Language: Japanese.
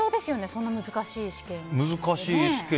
そんな難しい試験。